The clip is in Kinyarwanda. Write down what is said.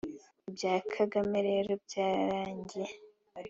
Ibya Kagame rero byarangiye